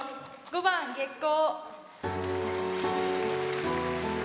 ５番「月光」。